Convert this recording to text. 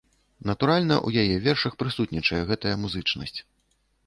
Натуральна, у яе вершах прысутнічае гэтая музычнасць.